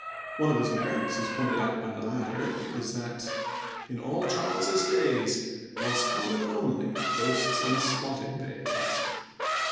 One of his merits, as pointed out by the latter, is that In all Charles's days Roscommon only boasts unspotted bays.